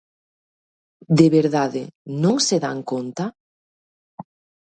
De verdade, ¿non se dan conta?